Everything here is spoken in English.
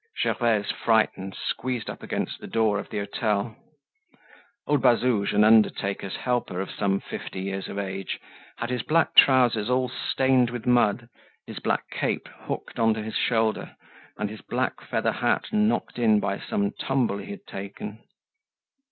Gervaise, frightened, squeezed up against the door of the hotel. Old Bazouge, an undertaker's helper of some fifty years of age, had his black trousers all stained with mud, his black cape hooked on to his shoulder, and his black feather hat knocked in by some tumble he had taken.